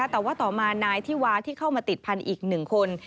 แต่ว่าต่อมานายที่ว้าที่เข้ามาติดไพรต์อีกหนึ่งคน